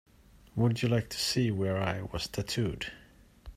Would you like to see where I was tattooed?